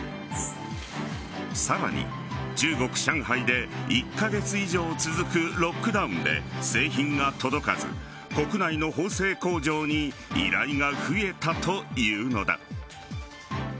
さらに中国・上海で１カ月以上続くロックダウンで製品が届かず国内の縫製工場に依頼が増えたというのだ。